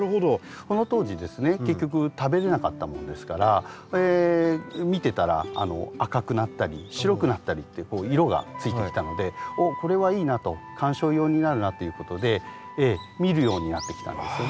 その当時ですね結局食べれなかったものですから見てたら赤くなったり白くなったりってこう色がついてきたので「おっこれはいいな」と「観賞用になるな」ということで見るようになってきたんですよね。